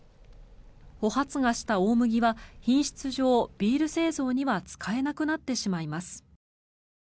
穂発芽した大麦は品質上、ビール製造には使えなくなってしまいます。